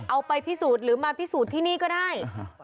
เอาไปพิสูจน์หรือมาพิสูจน์ที่นี่ก็ได้